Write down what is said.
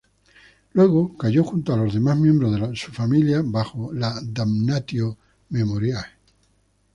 Luego cayó junto a los demás miembros de su familia bajo la "damnatio memoriae".